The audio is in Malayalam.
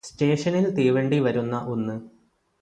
സ്റ്റേഷനില് തീവണ്ടി വരുന്ന ഒന്ന്